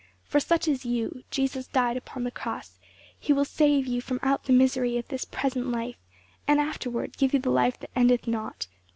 For such as you, Jesus died upon the cross; he will save you from out the misery of this present life, and afterward give you the life that endeth not.